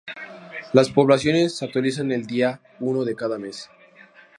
Las poblaciones se actualizan el día uno de cada mes.